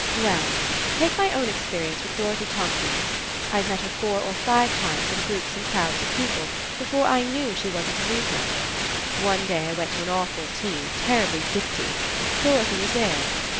"Well, take my own experience with Dorothy Thompkins. I'd met her four or five times, in groups and crowds of people, before I knew she wasn't a Negro. One day I went to an awful tea, terribly dicty. Dorothy was there.